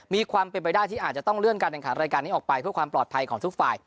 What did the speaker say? มีความเป็นไปได้ที่อาจจะต้องเลื่อนการแข่งขันรายการนี้ออกไปเพื่อความปลอดภัยของทุกฝ่าย